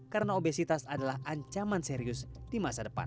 karena obesitas adalah ancaman serius di masa depan